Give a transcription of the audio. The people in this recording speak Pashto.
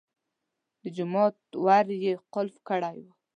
د جومات ور یې قلف کړی و.